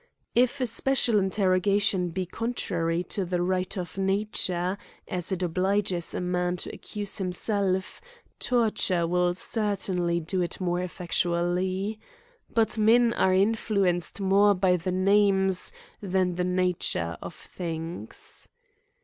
If a special interrogation be contrary to the right of nature, as it obliges a man to accuse himself, torture will certainly do it more effectually. But men are in fluenced more by the names than the nature of things.